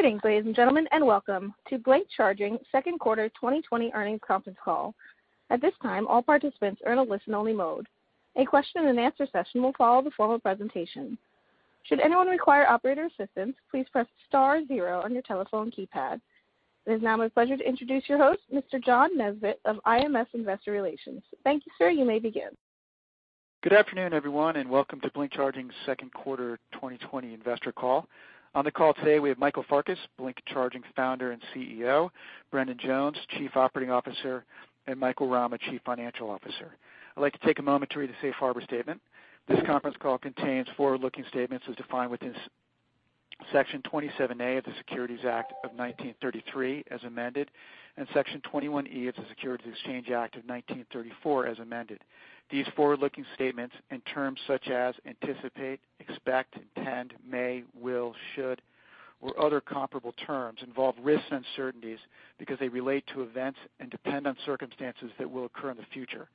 Greetings, ladies and gentlemen, and welcome to Blink Charging's second quarter 2020 earnings conference call. At this time, all participants are in a listen-only mode. A question and answer session will follow the formal presentation. Should anyone require operator assistance, please press star zero on your telephone keypad. It is now my pleasure to introduce your host, Mr. John Nesbitt of IMS Investor Relations. Thank you, sir. You may begin. Good afternoon, everyone. Welcome to Blink Charging's second quarter 2020 investor call. On the call today, we have Michael Farkas, Blink Charging's Founder and CEO, Brendan Jones, Chief Operating Officer, and Michael Rama, Chief Financial Officer. I'd like to take a moment to read the safe harbor statement. This conference call contains forward-looking statements as defined within Section 27A of the Securities Act of 1933 as amended. Section 21E of the Securities Exchange Act of 1934 as amended. These forward-looking statements and terms such as anticipate, expect, intend, may, will, should, or other comparable terms, involve risks and uncertainties because they relate to events and depend on circumstances that will occur in the future.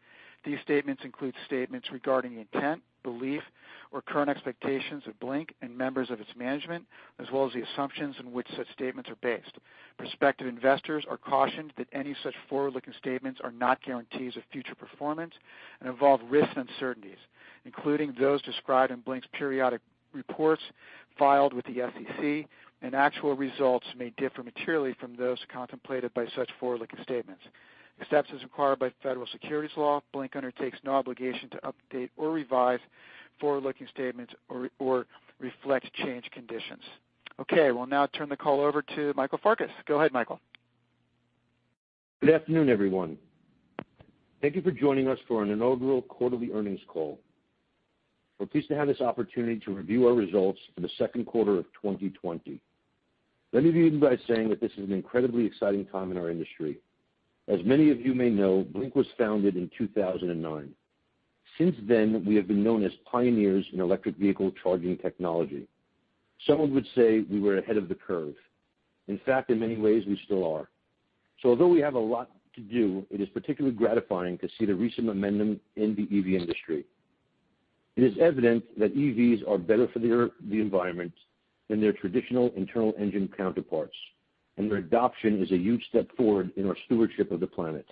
These statements include statements regarding the intent, belief, or current expectations of Blink and members of its management, as well as the assumptions on which such statements are based. Prospective investors are cautioned that any such forward-looking statements are not guarantees of future performance and involve risks and uncertainties, including those described in Blink's periodic reports filed with the SEC, and actual results may differ materially from those contemplated by such forward-looking statements. Except as required by federal securities law, Blink undertakes no obligation to update or revise forward-looking statements or reflect changed conditions. Okay. We'll now turn the call over to Michael Farkas. Go ahead, Michael. Good afternoon, everyone. Thank you for joining us for an inaugural quarterly earnings call. We are pleased to have this opportunity to review our results for the second quarter of 2020. Let me begin by saying that this is an incredibly exciting time in our industry. As many of you may know, Blink was founded in 2009. Since then, we have been known as pioneers in electric vehicle charging technology. Some would say we were ahead of the curve. In fact, in many ways, we still are. Although we have a lot to do, it is particularly gratifying to see the recent momentum in the EV industry. It is evident that EVs are better for the environment than their traditional internal engine counterparts, and their adoption is a huge step forward in our stewardship of the planet.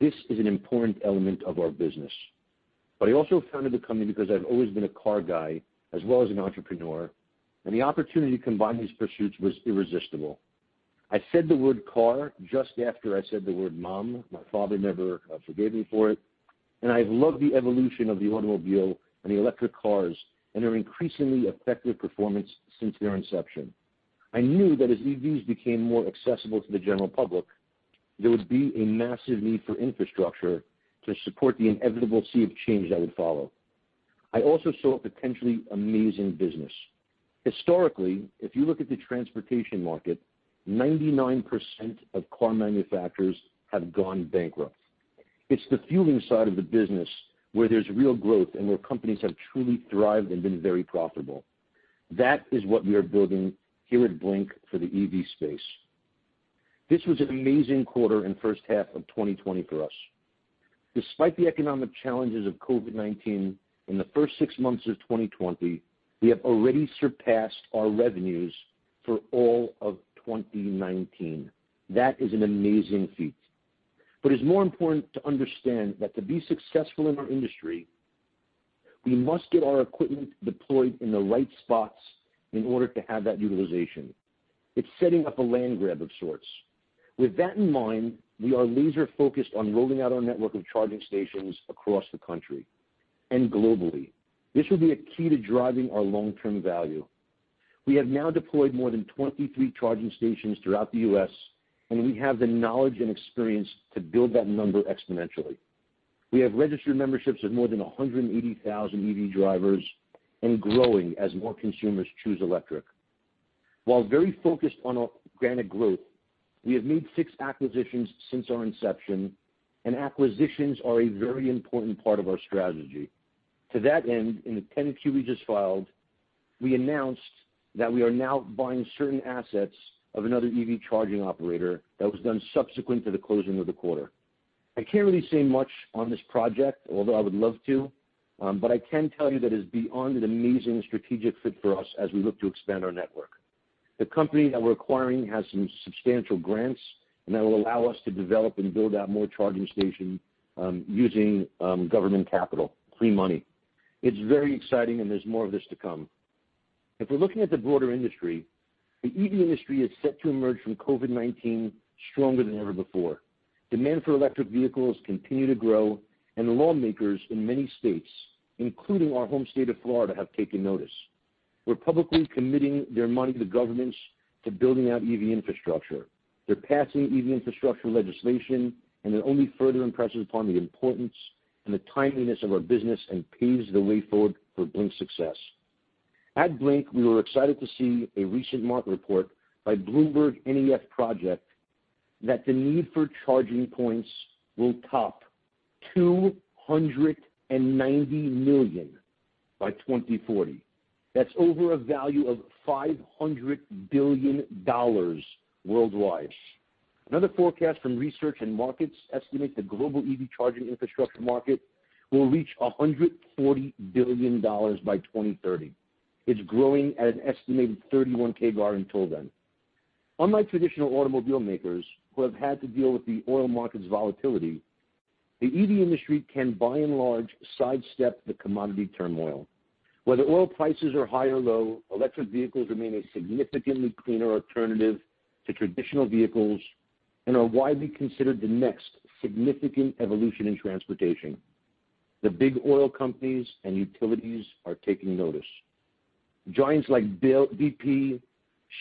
This is an important element of our business. I also founded the company because I've always been a car guy as well as an entrepreneur, and the opportunity to combine these pursuits was irresistible. I said the word car just after I said the word mom, my father never forgave me for it, and I've loved the evolution of the automobile and the electric cars and their increasingly effective performance since their inception. I knew that as EVs became more accessible to the general public, there would be a massive need for infrastructure to support the inevitable sea of change that would follow. I also saw a potentially amazing business. Historically, if you look at the transportation market, 99% of car manufacturers have gone bankrupt. It's the fueling side of the business where there's real growth and where companies have truly thrived and been very profitable. That is what we are building here at Blink for the EV space. This was an amazing quarter and first half of 2020 for us. Despite the economic challenges of COVID-19, in the first six months of 2020, we have already surpassed our revenues for all of 2019. That is an amazing feat. It's more important to understand that to be successful in our industry, we must get our equipment deployed in the right spots in order to have that utilization. It's setting up a land grab of sorts. With that in mind, we are laser-focused on rolling out our network of charging stations across the country and globally. This will be a key to driving our long-term value. We have now deployed more than 23 charging stations throughout the U.S., and we have the knowledge and experience to build that number exponentially. We have registered memberships of more than 180,000 EV drivers and growing as more consumers choose electric. While very focused on organic growth, we have made six acquisitions since our inception, and acquisitions are a very important part of our strategy. To that end, in the 10-Q we just filed, we announced that we are now buying certain assets of another EV charging operator that was done subsequent to the closing of the quarter. I can't really say much on this project, although I would love to, but I can tell you that it is beyond an amazing strategic fit for us as we look to expand our network. The company that we're acquiring has some substantial grants, and that will allow us to develop and build out more charging stations using government capital, clean money. It's very exciting, and there's more of this to come. If we're looking at the broader industry, the EV industry is set to emerge from COVID-19 stronger than ever before. Demand for electric vehicles continue to grow, and lawmakers in many states, including our home state of Florida, have taken notice. We're publicly committing their money to governments to building out EV infrastructure. They're passing EV infrastructure legislation, and they're only further impressing upon the importance and the timeliness of our business and paves the way forward for Blink's success. At Blink, we were excited to see a recent market report by BloombergNEF project that the need for charging points will top $290 million by 2040. That's over a value of $500 billion worldwide. Another forecast from Research and Markets estimate the global EV charging infrastructure market will reach $140 billion by 2030. It's growing at an estimated 31% compound annual growth rate until then. Unlike traditional automobile makers who have had to deal with the oil market's volatility, the EV industry can by and large sidestep the commodity turmoil. Whether oil prices are high or low, electric vehicles remain a significantly cleaner alternative to traditional vehicles and are widely considered the next significant evolution in transportation. The big oil companies and utilities are taking notice. Giants like BP,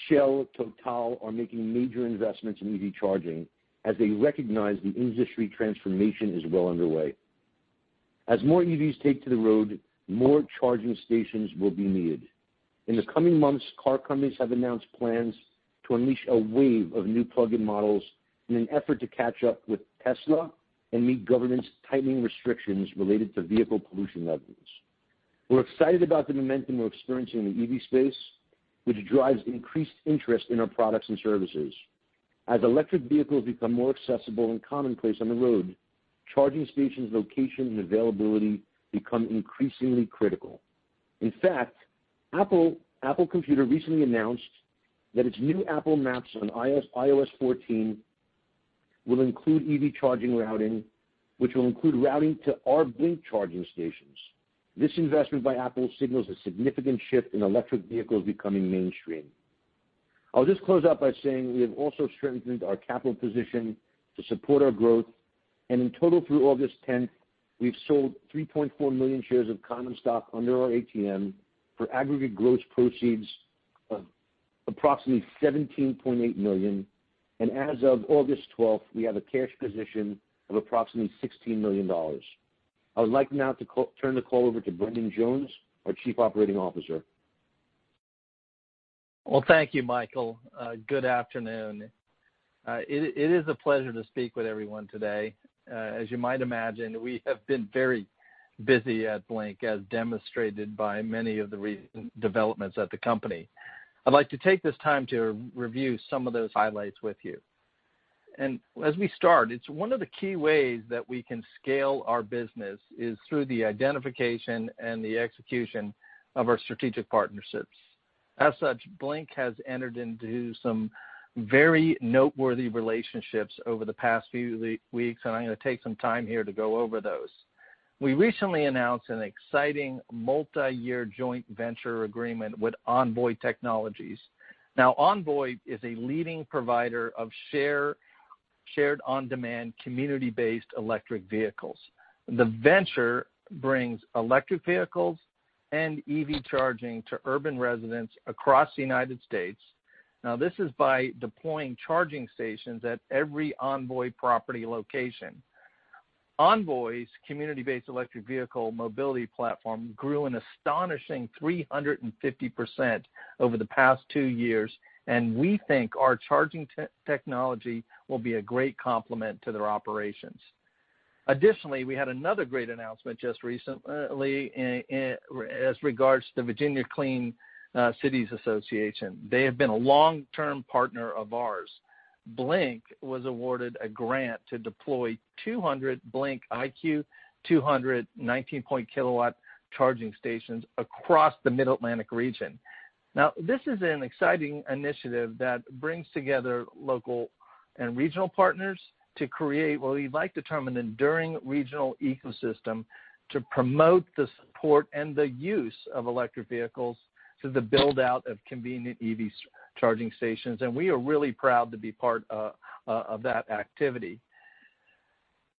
Shell, Total are making major investments in EV charging as they recognize the industry transformation is well underway. As more EVs take to the road, more charging stations will be needed. In the coming months, car companies have announced plans to unleash a wave of new plug-in models in an effort to catch up with Tesla and meet governance tightening restrictions related to vehicle pollution levels. We're excited about the momentum we're experiencing in the EV space, which drives increased interest in our products and services. As electric vehicles become more accessible and commonplace on the road, charging stations' location and availability become increasingly critical. In fact, Apple Computer recently announced that its new Apple Maps on iOS 14 will include EV charging routing, which will include routing to our Blink Charging stations. This investment by Apple signals a significant shift in electric vehicles becoming mainstream. I'll just close out by saying we have also strengthened our capital position to support our growth. In total, through August 10th, 2020 we've sold 3.4 million shares of common stock under our ATM for aggregate gross proceeds of approximately $17.8 million. As of August 12th, 2020 we have a cash position of approximately $16 million. I would like now to turn the call over to Brendan Jones, our Chief Operating Officer. Well, thank you, Michael. Good afternoon. It is a pleasure to speak with everyone today. As you might imagine, we have been very busy at Blink, as demonstrated by many of the recent developments at the company. I'd like to take this time to review some of those highlights with you. As we start, it's one of the key ways that we can scale our business is through the identification and the execution of our strategic partnerships. As such, Blink has entered into some very noteworthy relationships over the past few weeks, and I'm going to take some time here to go over those. We recently announced an exciting multi-year joint venture agreement with Envoy Technologies. Now, Envoy is a leading provider of shared on-demand, community-based electric vehicles. The venture brings electric vehicles and EV charging to urban residents across the United States. This is by deploying charging stations at every Envoy property location. Envoy's community-based electric vehicle mobility platform grew an astonishing 350% over the past two years, and we think our charging technology will be a great complement to their operations. We had another great announcement just recently as regards to the Virginia Clean Cities Association. They have been a long-term partner of ours. Blink was awarded a grant to deploy 200 Blink IQ 200 19 kW charging stations across the Mid-Atlantic region. This is an exciting initiative that brings together local and regional partners to create what we like to term an enduring regional ecosystem to promote the support and the use of electric vehicles through the build-out of convenient EV charging stations. We are really proud to be part of that activity.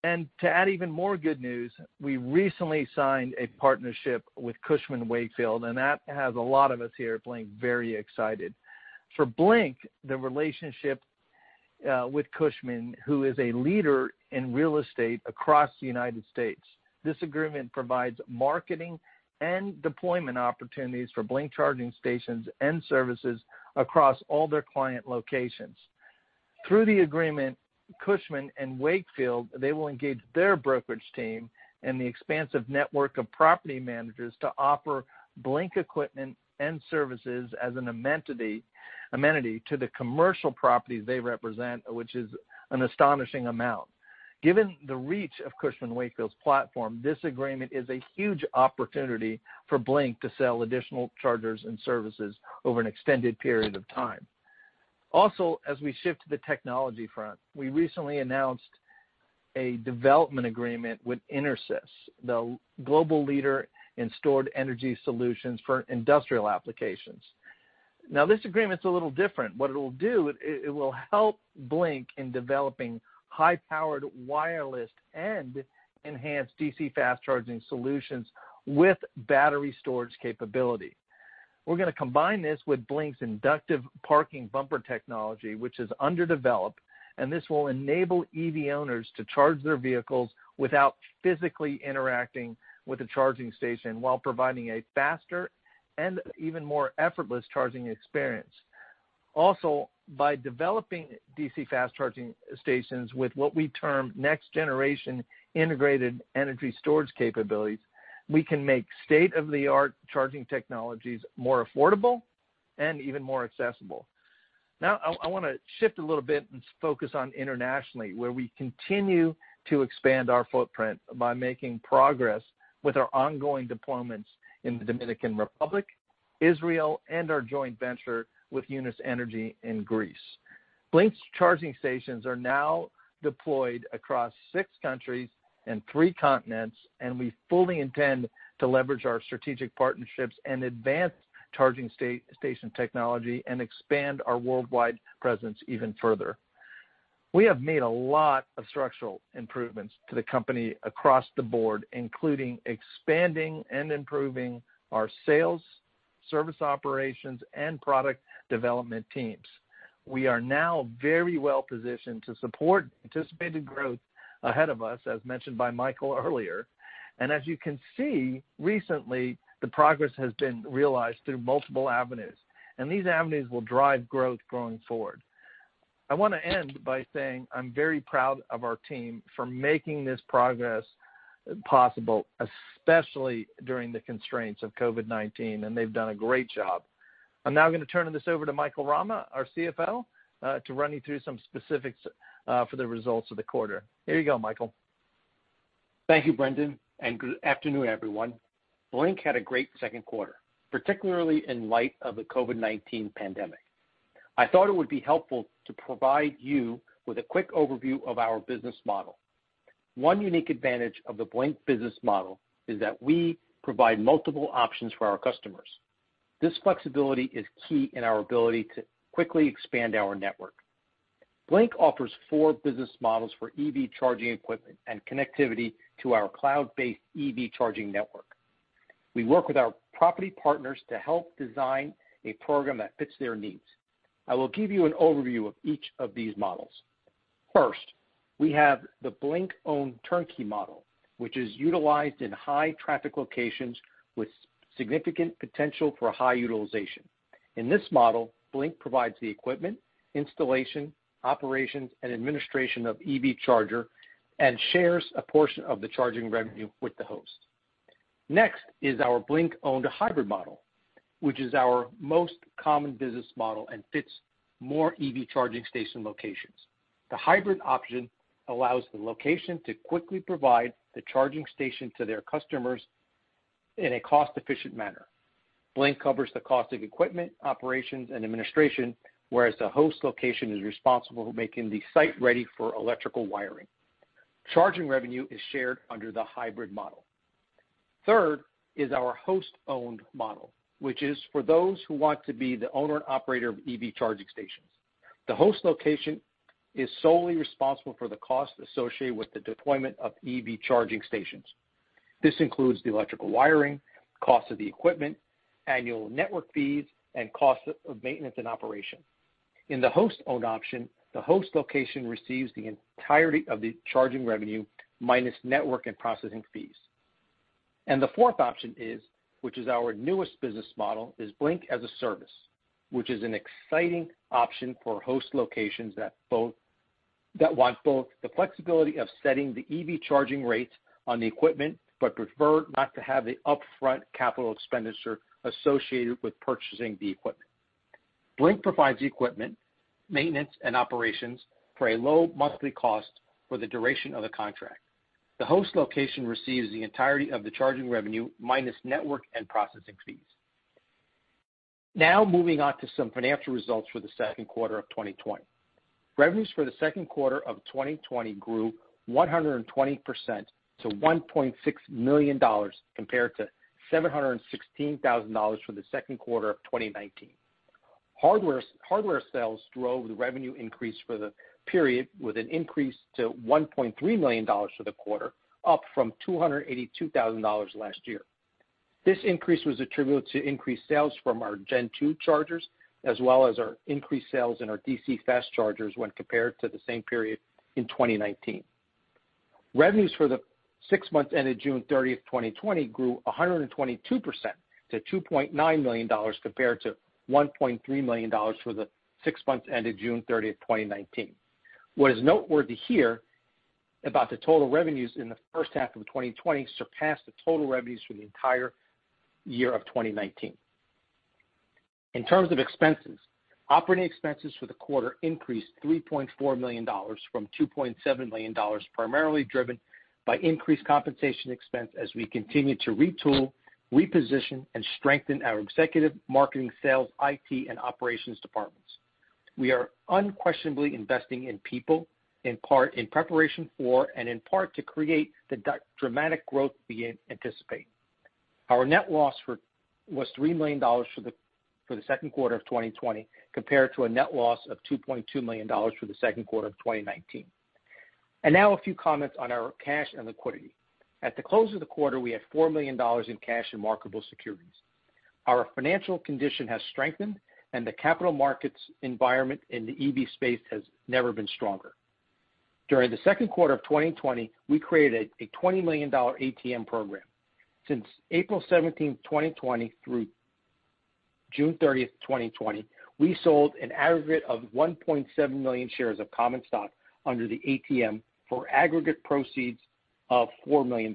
To add even more good news, we recently signed a partnership with Cushman & Wakefield, and that has a lot of us here at Blink very excited. For Blink, the relationship with Cushman, who is a leader in real estate across the United States, this agreement provides marketing and deployment opportunities for Blink charging stations and services across all their client locations. Through the agreement, Cushman & Wakefield, they will engage their brokerage team and the expansive network of property managers to offer Blink equipment and services as an amenity to the commercial properties they represent, which is an astonishing amount. Given the reach of Cushman & Wakefield's platform, this agreement is a huge opportunity for Blink to sell additional chargers and services over an extended period of time. As we shift to the technology front, we recently announced a development agreement with EnerSys, the global leader in stored energy solutions for industrial applications. This agreement's a little different. What it'll do, it will help Blink in developing high-powered, wireless, and enhanced DC fast charging solutions with battery storage capability. We're going to combine this with Blink's inductive parking bumper technology, which is underdeveloped, and this will enable EV owners to charge their vehicles without physically interacting with the charging station while providing a faster and even more effortless charging experience. By developing DC fast charging stations with what we term next generation integrated energy storage capabilities, we can make state-of-the-art charging technologies more affordable and even more accessible. I want to shift a little bit and focus on internationally, where we continue to expand our footprint by making progress with our ongoing deployments in the Dominican Republic, Israel, and our joint venture with Eunice Energy in Greece. Blink's charging stations are now deployed across six countries and three continents. We fully intend to leverage our strategic partnerships and advance charging station technology and expand our worldwide presence even further. We have made a lot of structural improvements to the company across the board, including expanding and improving our sales, service operations, and product development teams. We are now very well positioned to support anticipated growth ahead of us, as mentioned by Michael earlier. As you can see, recently, the progress has been realized through multiple avenues. These avenues will drive growth going forward. I want to end by saying I'm very proud of our team for making this progress possible, especially during the constraints of COVID-19. They've done a great job. I'm now going to turn this over to Michael Rama, our CFO, to run you through some specifics for the results of the quarter. Here you go, Michael. Thank you, Brendan, and good afternoon, everyone. Blink had a great second quarter, particularly in light of the COVID-19 pandemic. I thought it would be helpful to provide you with a quick overview of our business model. One unique advantage of the Blink business model is that we provide multiple options for our customers. This flexibility is key in our ability to quickly expand our network. Blink offers four business models for EV charging equipment and connectivity to our cloud-based EV charging network. We work with our property partners to help design a program that fits their needs. I will give you an overview of each of these models. First, we have the Blink-Owned Turnkey model, which is utilized in high-traffic locations with significant potential for high utilization. In this model, Blink provides the equipment, installation, operations, and administration of EV charger and shares a portion of the charging revenue with the host. Next is our Blink-owned Hybrid model, which is our most common business model and fits more EV charging station locations. The Hybrid option allows the location to quickly provide the charging station to their customers in a cost-efficient manner. Blink covers the cost of equipment, operations, and administration, whereas the host location is responsible for making the site ready for electrical wiring. Charging revenue is shared under the Hybrid model. Third is our Host-Owned model, which is for those who want to be the owner and operator of EV charging stations. The host location is solely responsible for the cost associated with the deployment of EV charging stations. This includes the electrical wiring, cost of the equipment, annual network fees, and cost of maintenance and operation. In the Host-Owned option, the host location receives the entirety of the charging revenue, minus network and processing fees. The fourth option, which is our newest business model, is Blink as a Service, which is an exciting option for host locations that want both the flexibility of setting the EV charging rates on the equipment but prefer not to have the upfront capital expenditure associated with purchasing the equipment. Blink provides the equipment, maintenance, and operations for a low monthly cost for the duration of the contract. The host location receives the entirety of the charging revenue, minus network and processing fees. Moving on to some financial results for the second quarter of 2020. Revenues for the second quarter of 2020 grew 120% to $1.6 million, compared to $716,000 for the second quarter of 2019. Hardware sales drove the revenue increase for the period, with an increase to $1.3 million for the quarter, up from $282,000 last year. This increase was attributed to increased sales from our Gen 2 chargers, as well as our increased sales in our DC fast chargers when compared to the same period in 2019. Revenues for the six months ended June 30th, 2020, grew 122% to $2.9 million, compared to $1.3 million for the six months ended June 30th, 2019. What is noteworthy here about the total revenues in the first half of 2020 surpassed the total revenues for the entire year of 2019. In terms of expenses, operating expenses for the quarter increased to $3.4 million from $2.7 million, primarily driven by increased compensation expense as we continue to retool, reposition, and strengthen our executive, marketing, sales, IT, and operations departments. We are unquestionably investing in people, in part, in preparation for, and in part, to create the dramatic growth we anticipate. Our net loss was $3 million for the second quarter of 2020, compared to a net loss of $2.2 million for the second quarter of 2019. Now a few comments on our cash and liquidity. At the close of the quarter, we had $4 million in cash and marketable securities. Our financial condition has strengthened, and the capital markets environment in the EV space has never been stronger. During the second quarter of 2020, we created a $20 million ATM program. Since April 17th, 2020, through June 30th, 2020, we sold an aggregate of 1.7 million shares of common stock under the ATM for aggregate proceeds of $4 million.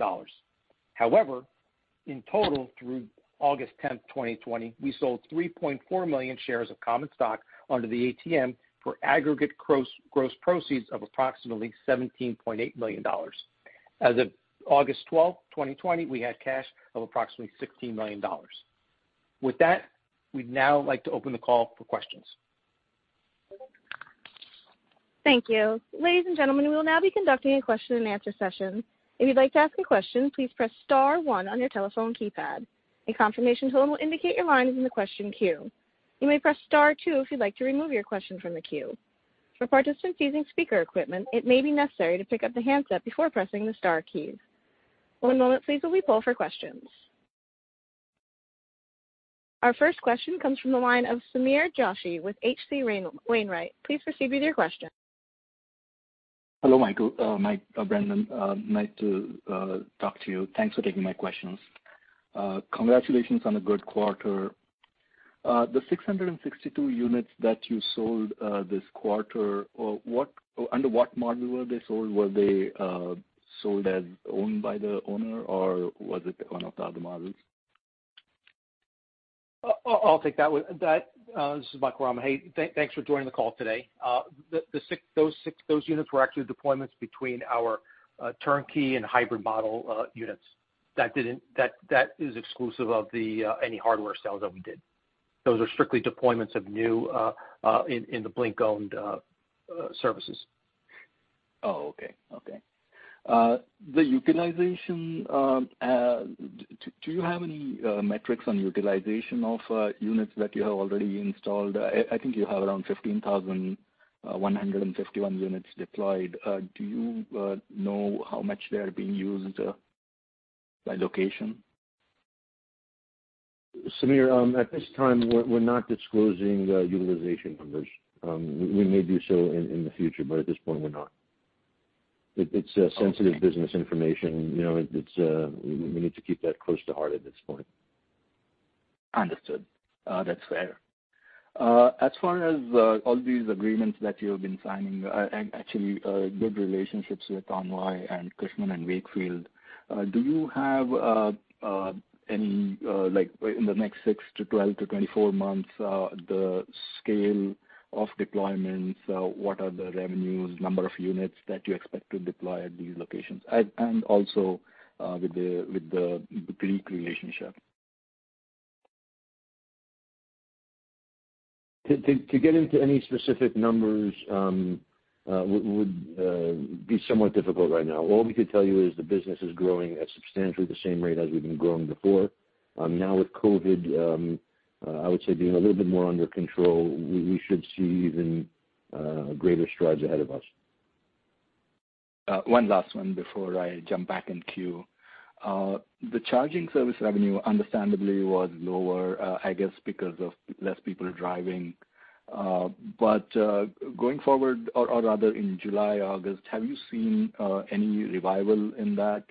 In total through August 10th, 2020, we sold 3.4 million shares of common stock under the ATM for aggregate gross proceeds of approximately $17.8 million. As of August 12, 2020, we had cash of approximately $16 million. With that, we'd now like to open the call for questions. Thank you. Ladies and gentlemen, we will now be conducting a question-and-answer session. If you'd like to ask a question, please press *1 on your telephone keypad. A confirmation tone will indicate your line is in the question queue. You may press *2 if you'd like to remove your question from the queue. For participants using speaker equipment, it may be necessary to pick up the handset before pressing the star key. One moment please, while we poll for questions. Our first question comes from the line of Sameer Joshi with H.C. Wainwright. Please proceed with your question. Hello, Brendan. Nice to talk to you. Thanks for taking my questions. Congratulations on a good quarter. The 662 units that you sold this quarter, under what model were they sold? Were they sold as owned by the owner, or was it one of the other models? I'll take that one. This is Mike Rama. Hey, thanks for joining the call today. Those units were actually deployments between our Turnkey and Hybrid Owned units. That is exclusive of any hardware sales that we did. Those are strictly deployments of new in the Blink-owned services. Oh, okay. The utilization, do you have any metrics on utilization of units that you have already installed? I think you have around 15,151 units deployed. Do you know how much they are being used by location? Sameer, at this time, we're not disclosing utilization numbers. We may do so in the future, but at this point we're not. It's sensitive business information. We need to keep that close to heart at this point. Understood. That's fair. As far as all these agreements that you have been signing, actually good relationships with Envoy and Cushman & Wakefield, do you have any, like in the next 6-24 months, the scale of deployments, what are the revenues, number of units that you expect to deploy at these locations? Also with the Greek relationship. To get into any specific numbers would be somewhat difficult right now. All we could tell you is the business is growing at substantially the same rate as we've been growing before. With COVID, I would say being a little bit more under control, we should see even greater strides ahead of us. One last one before I jump back in queue. The charging service revenue understandably was lower, I guess because of less people driving. Going forward, or rather in July, August, have you seen any revival in that?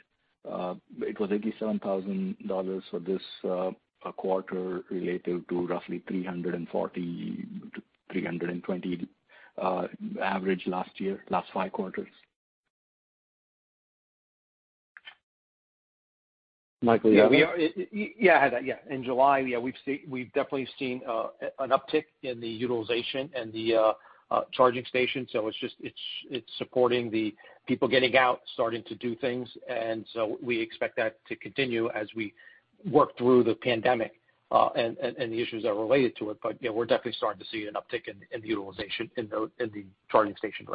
It was $87,000 for this quarter related to roughly 340 to 320 average last year, last five quarters. Michael, yeah. Yeah. In July, we've definitely seen an uptick in the utilization and the charging station. It's supporting the people getting out, starting to do things. We expect that to continue as we work through the pandemic, and the issues that are related to it. Yeah, we're definitely starting to see an uptick in the utilization in the charging stations.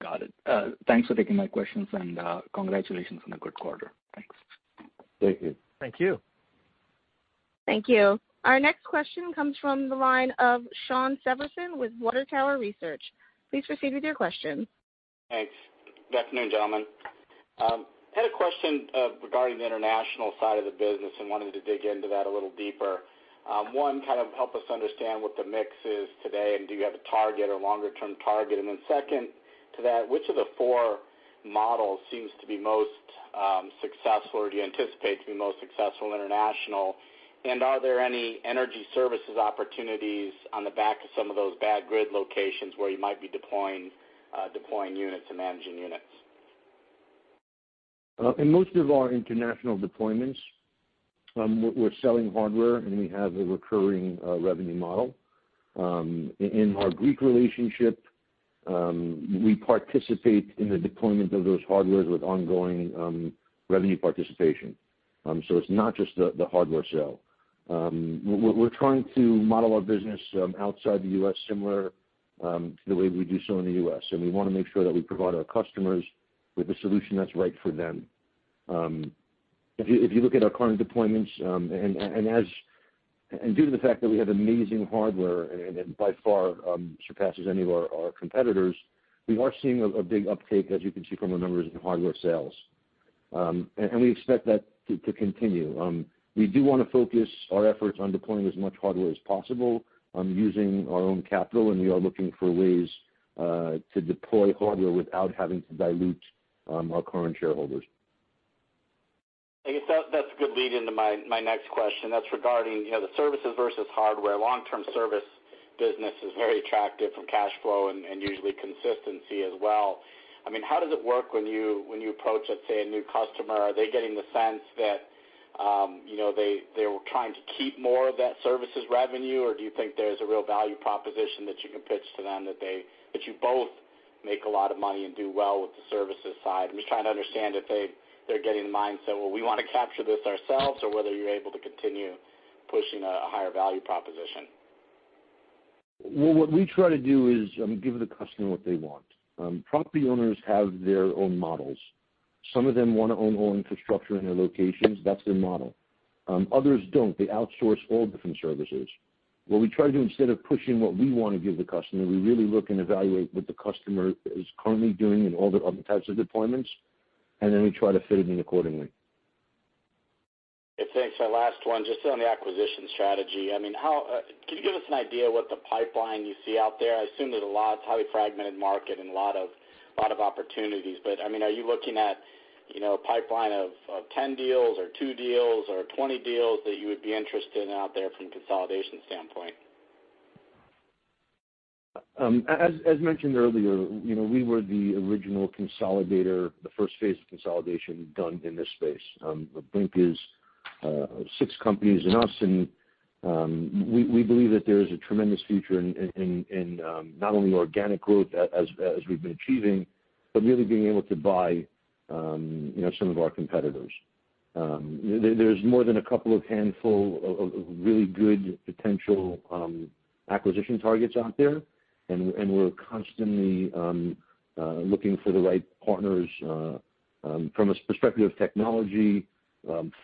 Got it. Thanks for taking my questions, and congratulations on a good quarter. Thanks. Thank you. Thank you. Thank you. Our next question comes from the line of Shawn Severson with Water Tower Research. Please proceed with your question. Thanks. Good afternoon, gentlemen. I had a question regarding the international side of the business and wanted to dig into that a little deeper. One, kind of help us understand what the mix is today, and do you have a target or longer-term target? Second to that, which of the four models seems to be most successful, or do you anticipate to be most successful international? Are there any energy services opportunities on the back of some of those bad grid locations where you might be deploying units and managing units? In most of our international deployments, we're selling hardware, and we have a recurring revenue model. In our Greek relationship, we participate in the deployment of those hardwares with ongoing revenue participation. It's not just the hardware sale. We're trying to model our business outside the U.S. similar to the way we do so in the U.S., and we want to make sure that we provide our customers with a solution that's right for them. If you look at our current deployments, and due to the fact that we have amazing hardware and it by far surpasses any of our competitors, we are seeing a big uptick, as you can see from our numbers, in hardware sales. We expect that to continue. We do want to focus our efforts on deploying as much hardware as possible using our own capital. We are looking for ways to deploy hardware without having to dilute our current shareholders. I guess that's a good lead into my next question. That's regarding the services versus hardware. Long-term service business is very attractive from cash flow and usually consistency as well. How does it work when you approach, let's say, a new customer? Are they getting the sense that they were trying to keep more of that services revenue? Do you think there's a real value proposition that you can pitch to them, that you both make a lot of money and do well with the services side? I'm just trying to understand if they're getting the mindset where we want to capture this ourselves or whether you're able to continue pushing a higher value proposition. Well, what we try to do is give the customer what they want. Property owners have their own models. Some of them want to own all infrastructure in their locations. That's their model. Others don't. They outsource all different services. What we try to do, instead of pushing what we want to give the customer, we really look and evaluate what the customer is currently doing and all their other types of deployments, and then we try to fit it in accordingly. Thanks. My last one, just on the acquisition strategy. Can you give us an idea what the pipeline you see out there? I assume there's a lot. It's a highly fragmented market and a lot of opportunities. Are you looking at a pipeline of 10 deals or two deals or 20 deals that you would be interested in out there from a consolidation standpoint? As mentioned earlier, we were the original consolidator, the first phase of consolidation done in this space. Blink is six companies and us, and we believe that there is a tremendous future in not only organic growth as we've been achieving, but really being able to buy some of our competitors. There's more than a couple of handful of really good potential acquisition targets out there, and we're constantly looking for the right partners from a perspective of technology,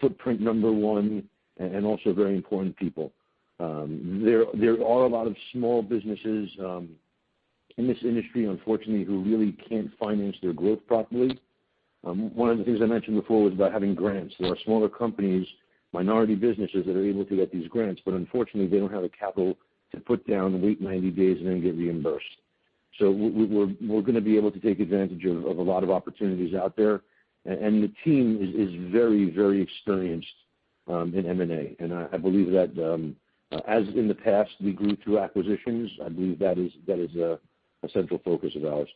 footprint number one, and also very important, people. There are a lot of small businesses in this industry, unfortunately, who really can't finance their growth properly. One of the things I mentioned before was about having grants. There are smaller companies, minority businesses, that are able to get these grants, but unfortunately, they don't have the capital to put down and wait 90 days and then get reimbursed. We're going to be able to take advantage of a lot of opportunities out there, and the team is very experienced in M&A, and I believe that, as in the past, we grew through acquisitions. I believe that is a central focus of ours.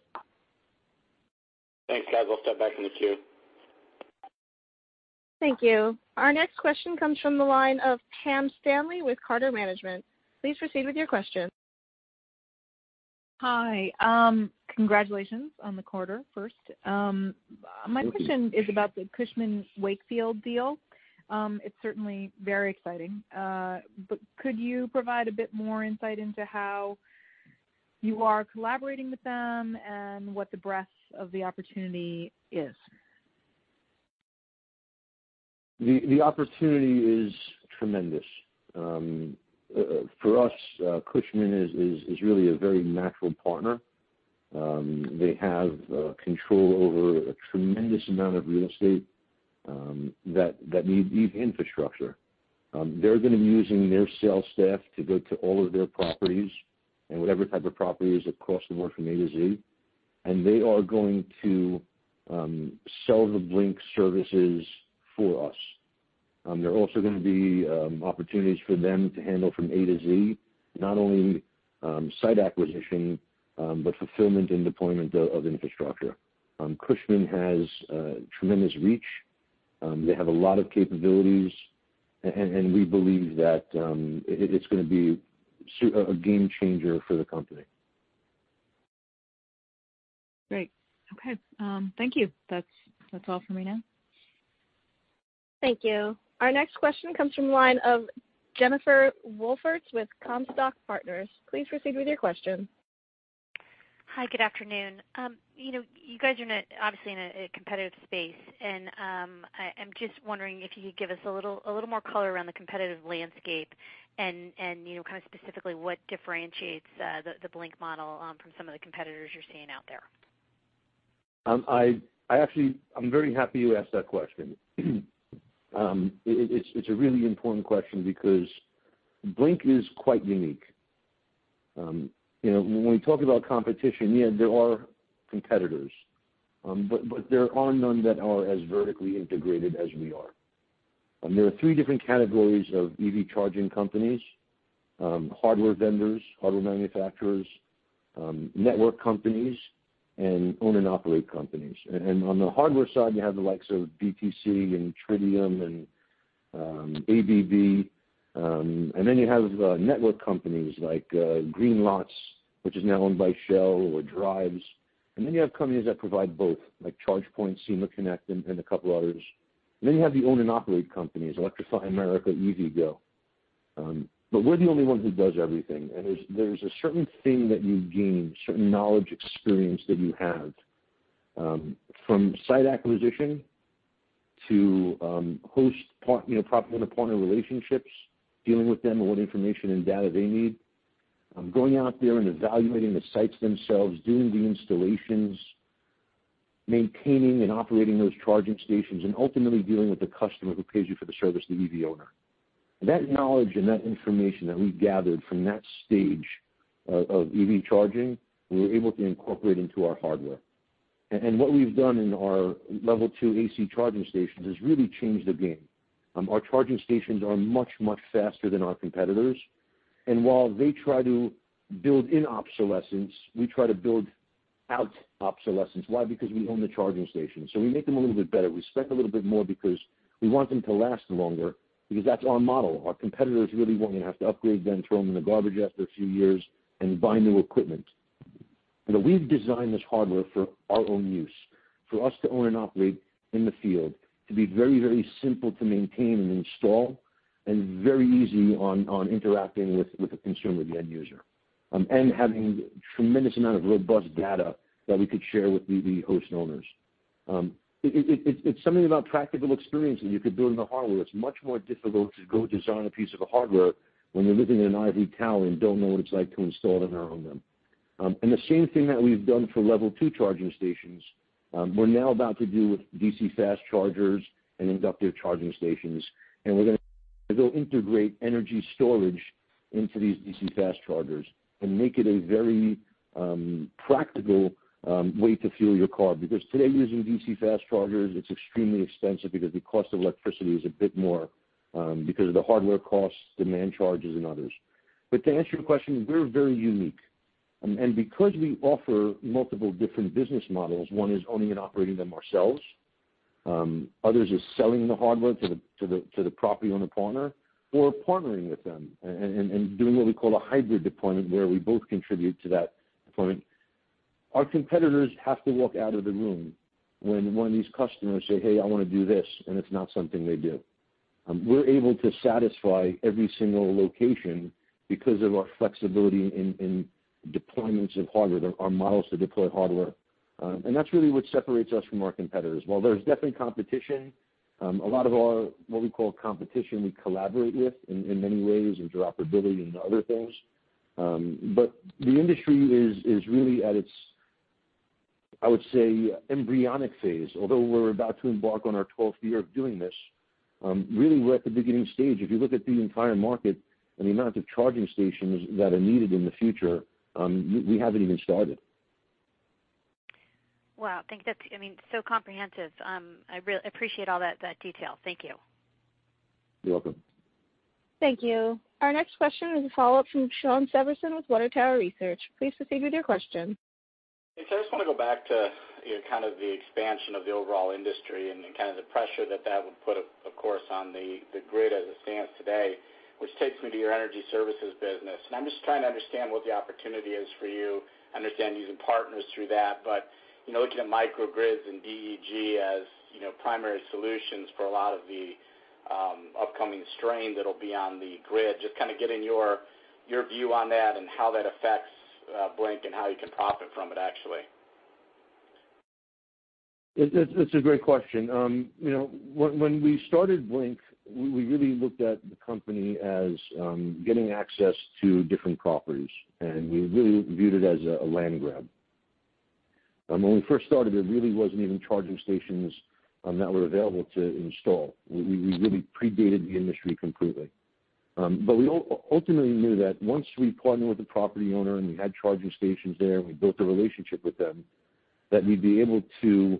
Thanks, guys. I'll step back in the queue. Thank you. Our next question comes from the line of Pam Stanley with Carter Management. Please proceed with your question. Hi. Congratulations on the quarter, first. Thank you. My question is about the Cushman & Wakefield deal. It's certainly very exciting. Could you provide a bit more insight into how you are collaborating with them and what the breadth of the opportunity is? The opportunity is tremendous. For us, Cushman & Wakefield is really a very natural partner. They have control over a tremendous amount of real estate that needs EV infrastructure. They're going to be using their sales staff to go to all of their properties and whatever type of properties across the board from A to Z, and they are going to sell the Blink Charging services for us. There are also going to be opportunities for them to handle from A to Z, not only site acquisition, but fulfillment and deployment of infrastructure. Cushman & Wakefield has tremendous reach. They have a lot of capabilities, and we believe that it's going to be a game changer for the company. Great. Okay. Thank you. That's all from me now. Thank you. Our next question comes from the line of Jennifer Wolfertz with Comstock Partners. Please proceed with your question. Hi, good afternoon. You guys are obviously in a competitive space, and I'm just wondering if you could give us a little more color around the competitive landscape and kind of specifically what differentiates the Blink model from some of the competitors you're seeing out there. I'm very happy you asked that question. It's a really important question because Blink is quite unique. When we talk about competition, yeah, there are competitors, but there are none that are as vertically integrated as we are. There are three different categories of EV charging companies, hardware vendors, hardware manufacturers, network companies, and own and operate companies. On the hardware side, you have the likes of BTC and Tritium and ABB, and then you have network companies like Greenlots, which is now owned by Shell, or Drives. Then you have companies that provide both, like ChargePoint, SemaConnect, and a couple of others. Then you have the own and operate companies, Electrify America, EVgo. We're the only one who does everything, and there's a certain thing that you gain, certain knowledge, experience that you have, from site acquisition to host property and partner relationships, dealing with them and what information and data they need. Going out there and evaluating the sites themselves, doing the installations, maintaining and operating those charging stations, and ultimately dealing with the customer who pays you for the service, the EV owner. That knowledge and that information that we gathered from that stage of EV charging, we were able to incorporate into our hardware. What we've done in our Level 2 AC charging stations has really changed the game. Our charging stations are much, much faster than our competitors. While they try to build in obsolescence, we try to build out obsolescence. Why? Because we own the charging station. We make them a little bit better. We spend a little bit more because we want them to last longer, because that's our model. Our competitors really want you to have to upgrade, then throw them in the garbage after a few years and buy new equipment. We've designed this hardware for our own use, for us to own and operate in the field, to be very, very simple to maintain and install, and very easy on interacting with the consumer, the end user. Having tremendous amount of robust data that we could share with the host owners. It's something about practical experience that you could build in the hardware. It's much more difficult to go design a piece of hardware when you're living in an ivory tower and don't know what it's like to install it or own them. The same thing that we've done for Level 2 charging stations, we're now about to do with DC fast chargers and inductive charging stations, and we're going to integrate energy storage into these DC fast chargers and make it a very practical way to fuel your car. Today, using DC fast chargers, it's extremely expensive because the cost of electricity is a bit more, because of the hardware costs, demand charges, and others. To answer your question, we're very unique. Because we offer multiple different business models, one is owning and operating them ourselves, others is selling the hardware to the property owner partner or partnering with them and doing what we call a hybrid deployment, where we both contribute to that deployment. Our competitors have to walk out of the room when one of these customers say, "Hey, I want to do this," and it's not something they do. We're able to satisfy every single location because of our flexibility in deployments of hardware, our models to deploy hardware. That's really what separates us from our competitors. While there's definitely competition, a lot of our, what we call competition, we collaborate with in many ways, interoperability and other things. The industry is really at its, I would say, embryonic phase. Although we're about to embark on our 12th year of doing this, really, we're at the beginning stage. If you look at the entire market and the amount of charging stations that are needed in the future, we haven't even started. Wow. I think that's so comprehensive. I really appreciate all that detail. Thank you. You're welcome. Thank you. Our next question is a follow-up from Shawn Severson with Water Tower Research. Please proceed with your question. Hey. I just want to go back to kind of the expansion of the overall industry and then kind of the pressure that would put, of course, on the grid as it stands today, which takes me to your energy services business. I'm just trying to understand what the opportunity is for you. I understand you using partners through that, but looking at microgrids and DER as primary solutions for a lot of the upcoming strain that'll be on the grid. Just kind of getting your view on that and how that affects Blink and how you can profit from it, actually. It's a great question. When we started Blink, we really looked at the company as getting access to different properties, and we really viewed it as a land grab. When we first started, there really wasn't even charging stations that were available to install. We really predated the industry completely. We ultimately knew that once we partnered with the property owner and we had charging stations there, we built a relationship with them, that we'd be able to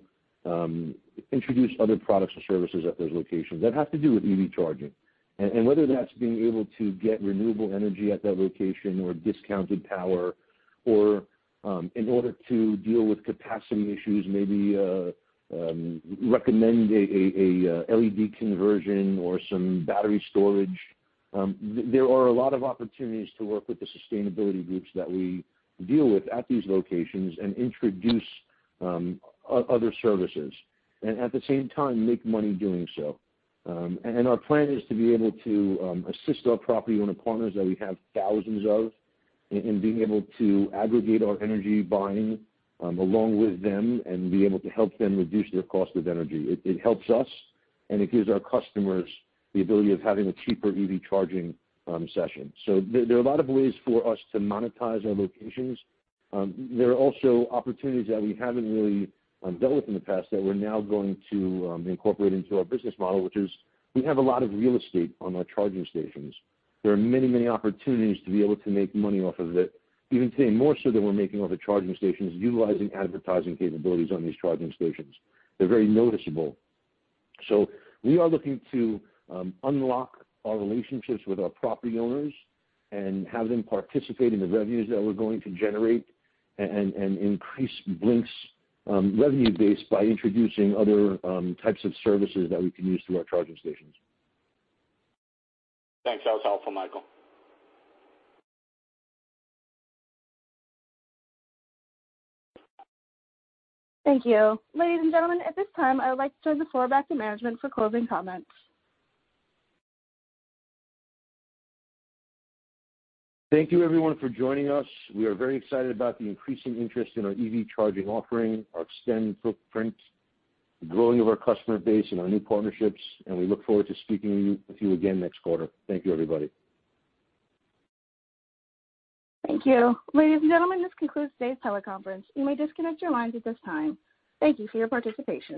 introduce other products or services at those locations that have to do with EV charging. Whether that's being able to get renewable energy at that location or discounted power, or in order to deal with capacity issues, maybe recommend a LED conversion or some battery storage. There are a lot of opportunities to work with the sustainability groups that we deal with at these locations and introduce other services, and at the same time, make money doing so. Our plan is to be able to assist our property owner partners that we have thousands of, in being able to aggregate our energy buying along with them and be able to help them reduce their cost of energy. It helps us, and it gives our customers the ability of having a cheaper EV charging session. There are a lot of ways for us to monetize our locations. There are also opportunities that we haven't really dealt with in the past that we're now going to incorporate into our business model, which is we have a lot of real estate on our charging stations. There are many, many opportunities to be able to make money off of it, even today, more so than we're making off of charging stations, utilizing advertising capabilities on these charging stations. They're very noticeable. We are looking to unlock our relationships with our property owners and have them participate in the revenues that we're going to generate and increase Blink's revenue base by introducing other types of services that we can use through our charging stations. Thanks. That was helpful, Michael. Thank you. Ladies and gentlemen, at this time, I would like to turn the floor back to management for closing comments. Thank you everyone for joining us. We are very excited about the increasing interest in our EV charging offering, our extended footprint, the growing of our customer base, and our new partnerships. We look forward to speaking with you again next quarter. Thank you, everybody. Thank you. Ladies and gentlemen, this concludes today's teleconference. You may disconnect your lines at this time. Thank you for your participation.